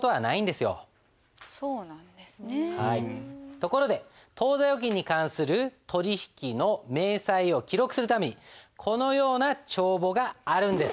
ところで当座預金に関する取引の明細を記録するためにこのような帳簿があるんです。